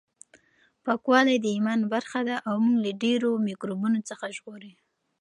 پاکوالی د ایمان برخه ده او موږ له ډېرو میکروبونو څخه ژغوري.